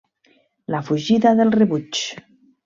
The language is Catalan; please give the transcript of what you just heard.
La fugida del rebuig.